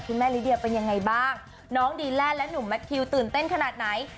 คุณแม่ลิเดียเป็นยังไงบ้างน้องดีแลนดและหนุ่มแมททิวตื่นเต้นขนาดไหน